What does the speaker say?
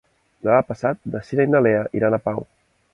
Demà passat na Cira i na Lea iran a Pau.